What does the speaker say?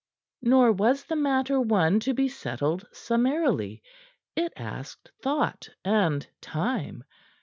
Nor was the matter one to be settled summarily; it asked thought and time.